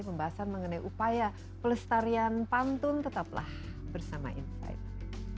pembahasan mengenai upaya pelestarian pantun tetaplah bersama insight